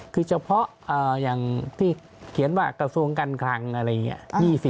คือเฉพาะอย่างที่เขียนว่ากระทรวงการคลังอะไรอย่างนี้